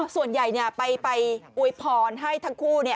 ส่วนใหญ่ไปอวยพรให้ทั้งคู่